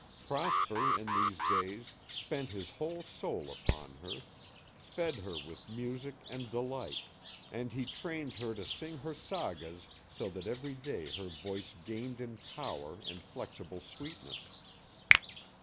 Prosper, in these days, spent his whole soul upon her, fed her with music and delight, and he trained her to sing her sagas so that every day her voice gained in power and flexible sweetness.